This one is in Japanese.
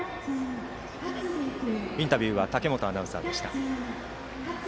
インタビューは武本アナウンサーでした。